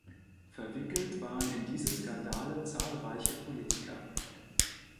Verwickelt waren in diese Skandale zahlreiche Politiker.